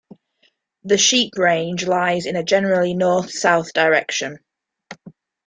The Sheep Range lies in a generally north-south direction.